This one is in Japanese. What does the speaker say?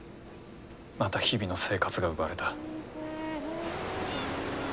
また日々の生活が奪われた。